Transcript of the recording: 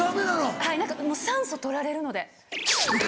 はい何か酸素取られるので。